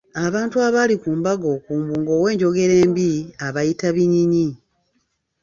Abantu abaali ku mbaga okwo mbu ng'owenjogera mbi abayita binyinyi